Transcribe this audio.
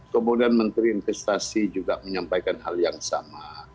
kemudian menteri investasi juga menyampaikan hal yang sama